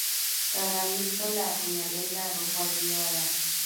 Radamisto la apuñaló y la arrojó al río Aras.